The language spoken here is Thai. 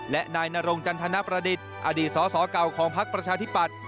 และนายนรงจันทนประดิษฐ์อดีตสสเก่าของพักประชาธิปัตย